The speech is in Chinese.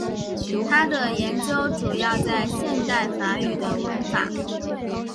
他的研究主要在现代法语的文法。